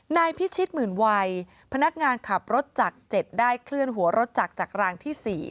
นายพิชิตหมื่นวัยพนักงานขับรถจาก๗ได้เคลื่อนหัวรถจักรจากรางที่๔